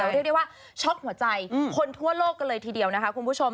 เรียกได้ว่าช็อกหัวใจคนทั่วโลกกันเลยทีเดียวนะคะคุณผู้ชม